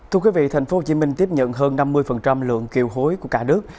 thưa quý vị thành phố hồ chí minh tiếp nhận hơn năm mươi lượng kiều hối của cả nước